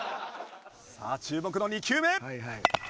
さあ注目の２球目。